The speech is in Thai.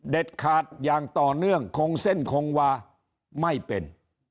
ขาดอย่างต่อเนื่องคงเส้นคงวาไม่เป็น